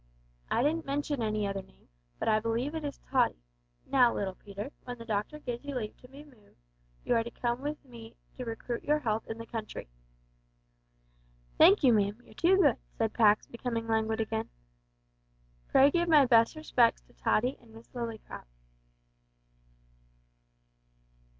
"I didn't mention any other name, but I believe it is Tottie. Now, little Peter, when the doctor gives you leave to be moved, you are to come to me to recruit your health in the country." "Thank you, ma'am. You're too good," said Pax, becoming languid again. "Pray give my best respects to Tottie and Miss Lillycrop."